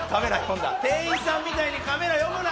店員さんみたいにカメラ呼ぶな！